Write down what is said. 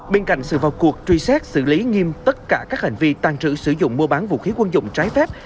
bên cạnh sự vào cuộc truy xét xử lý nghiêm tất cả các hành vi tàn trữ sử dụng mua bán vũ khí quân dụng trái phép